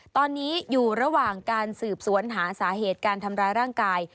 ตอนนี้อยู่ระหว่างการสืบสวนหาสาเหตุการทำร้ายร่างกาย